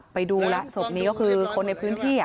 ไปดูแล้วศพนี้ก็คือคนในพื้นที่